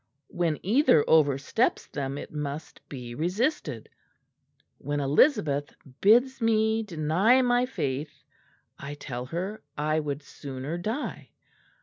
When either oversteps them it must be resisted. When Elizabeth bids me deny my faith, I tell her I would sooner die.